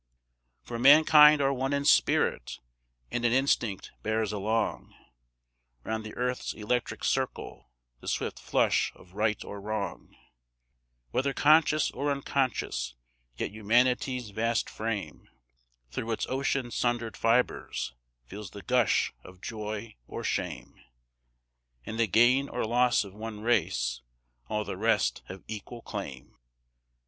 For mankind are one in spirit, and an instinct bears along, Round the earth's electric circle, the swift flush of right or wrong; Whether conscious or unconscious, yet Humanity's vast frame Through its ocean sundered fibres feels the gush of joy or shame; In the gain or loss of one race all the rest have equal claim.